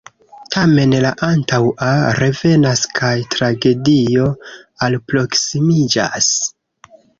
Tamen la antaŭa revenas kaj tragedio alproksimiĝas.